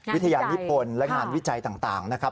วิทยานิพลและงานวิจัยต่างนะครับ